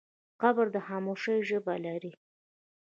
قبر د خاموشۍ ژبه لري.